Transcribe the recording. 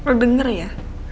lo denger ya